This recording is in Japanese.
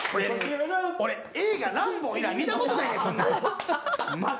俺映画『ランボー』以外見た事ないでそんな。